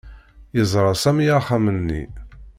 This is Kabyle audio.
Yeẓra Sami axxam-nni.